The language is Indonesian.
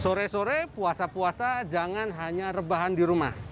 sore sore puasa puasa jangan hanya rebahan di rumah